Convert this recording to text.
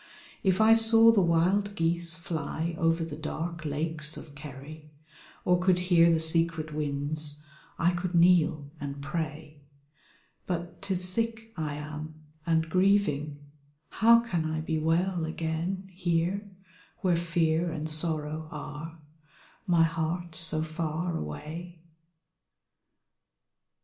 If I saw the wild geese fly over the dark lakes of Kerry Or could hear the secret winds, I could kneel and pray. But 'tis sick I am and grieving, how can I be well again Here, where fear and sorrow are — ^my heart so far away?